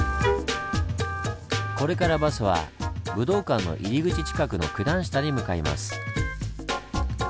これからバスは武道館の入り口近くの九段下に向かいます。